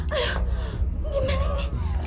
aduh gimana ini